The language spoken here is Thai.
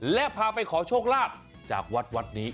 และพาไปขอโชคลาภจากวัดวัดนี้